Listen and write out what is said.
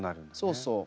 そうそう。